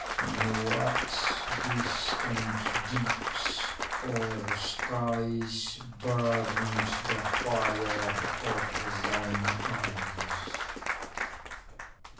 In what distant deeps or skies Burnt the fire of thine eyes?